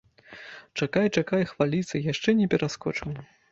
Чакай, чакай хваліцца, яшчэ не пераскочыў.